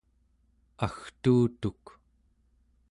agtuutuk